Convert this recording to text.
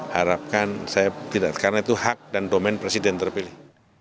harapkan saya tidak karena itu hak dan domen presiden terpilih